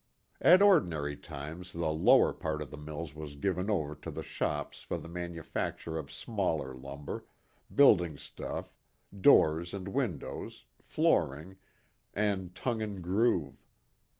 At ordinary times the lower part of the mills was given over to the shops for the manufacture of smaller lumber, building stuff, doors and windows, flooring, and tongue and groove.